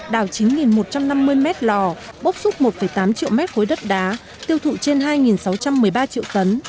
đào chín một trăm năm mươi mét lò bốc xúc một tám triệu mét khối đất đá tiêu thụ trên hai sáu trăm một mươi ba triệu tấn